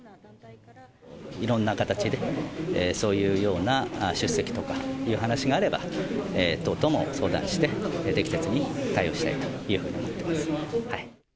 いろんな形で、そういうような出席とか、そういう話があれば、党とも相談して、適切に対応したいというふうに思ってます。